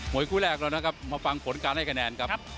วยคู่แรกแล้วนะครับมาฟังผลการให้คะแนนครับ